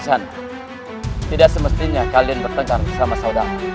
zan tidak semestinya kalian bertengkar bersama saudara